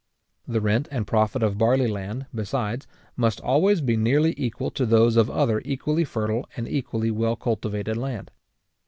The rent and profit of barley land, besides, must always be nearly equal to those of other equally fertile and equally well cultivated land.